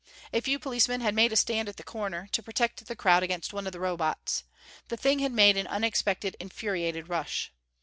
A few policemen had made a stand at the corner, to protect the crowd against one of the Robots. The thing had made an unexpected infuriated rush....